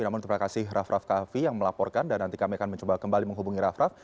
namun terima kasih raff raff kaffi yang melaporkan dan nanti kami akan mencoba kembali menghubungi raff raff